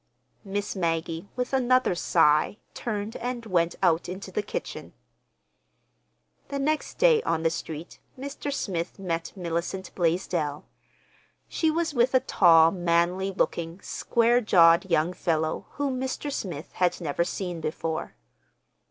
Miss Maggie, with another sigh, turned and went out into the kitchen. The next day, on the street, Mr. Smith met Mellicent Blaisdell. She was with a tall, manly looking, square jawed young fellow whom Mr. Smith had never seen before.